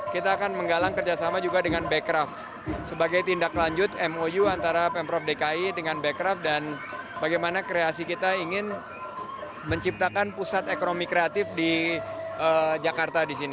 kita akan menggalang kerjasama juga dengan bekraf sebagai tindak lanjut mou antara pemprov dki dengan bekraf dan bagaimana kreasi kita ingin menciptakan pusat ekonomi kreatif di jakarta di sini